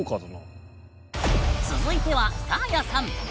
続いてはサーヤさん。